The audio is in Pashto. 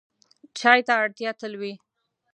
چای ته اړتیا تل وي.